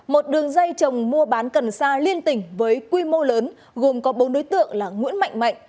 một đường dây trồng mua bán cần sa liên tỉnh với quy mô lớn gồm có bốn đối tượng là nguyễn mạnh mạnh